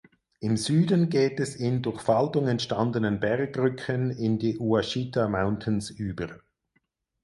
Im Süden geht es in durch Faltung entstandenen Bergrücken in die Ouachita Mountains über.